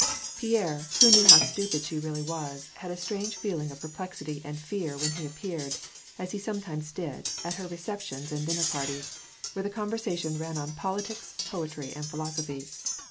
Pierre, who knew how stupid she really was, had a strange feeling of perplexity and fear when he appeared, as he some times did, at her receptions and dinner parties, where the conversation ran on politics, poetry, and philosophy.